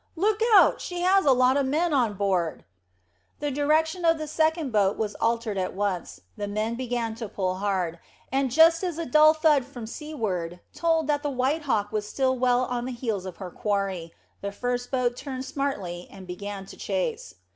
Look out! She has a lot of men on board." The direction of the second boat was altered at once, the men began to pull hard; and just as a dull thud from seaward told that the White Hawk was still well on the heels of her quarry, the first boat turned smartly and began to chase.